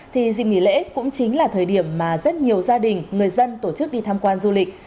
thì dịp nghỉ lễ cũng chính là thời điểm mà rất nhiều gia đình người dân tổ chức đi tham quan du lịch